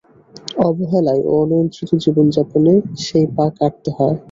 অবহেলায় ও অনিয়ন্ত্রিত জীবনযাপনে সেই পা কাটতে হয়।